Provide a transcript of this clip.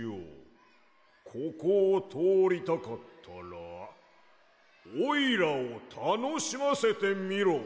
ここをとおりたかったらおいらをたのしませてみろ！